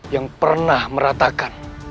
yang pernah meratakan